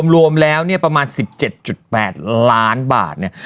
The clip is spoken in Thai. รวมแล้วเนี่ยประมาณ๑๗๘ล้านบาทเนี่ย